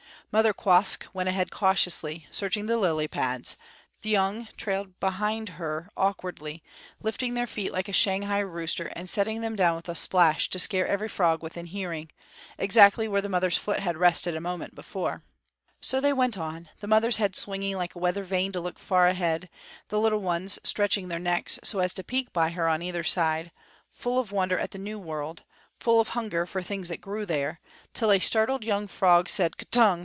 Mother Quoskh went ahead cautiously, searching the lily pads; the young trailed behind her awkwardly, lifting their feet like a Shanghai rooster and setting them down with a splash to scare every frog within hearing, exactly where the mother's foot had rested a moment before. So they went on, the mother's head swinging like a weather vane to look far ahead, the little ones stretching their necks so as to peek by her on either side, full of wonder at the new world, full of hunger for things that grew there, till a startled young frog said _K'tung!